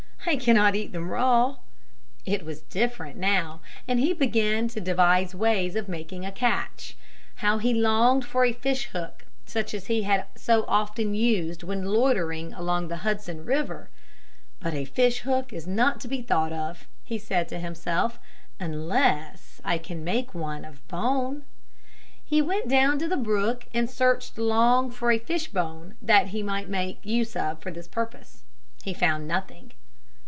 "I cannot eat them raw." It was different now and he began to devise ways of making a catch. How he longed for a fish hook, such as he had so often used when loitering along the Hudson River! "But a fish hook is not to be thought of," he said to himself, "unless I can make one of bone." He went down to the brook and searched long for a fish bone that he might make use of for this purpose. He found nothing.